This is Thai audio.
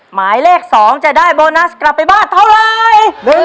หมายเลข๒จะได้โบนัสกลับไปบ้านเท่าไร